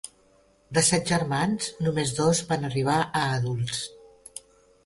De set germans només dos van arribar a adults.